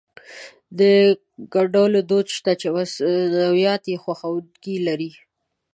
د ګنډلو دود شته چې مصنوعات يې خوښوونکي لري.